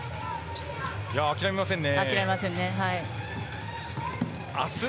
諦めませんね。